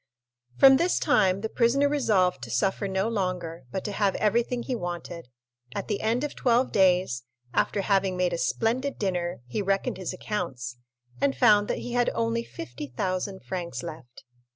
From this time the prisoner resolved to suffer no longer, but to have everything he wanted. At the end of twelve days, after having made a splendid dinner, he reckoned his accounts, and found that he had only 50,000 francs left.